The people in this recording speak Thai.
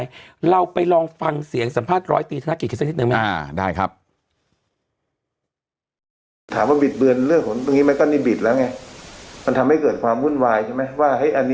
ยุโรปบวกแค้จเลือดใครยอมไปดูแผลอยากรู้มั้ยกัน